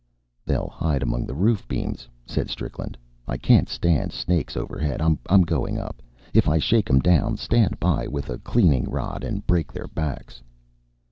"They'll hide among the roof beams," said Strickland. "I can't stand snakes overhead. I'm going up. If I shake 'em down, stand by with a cleaning rod and break their backs."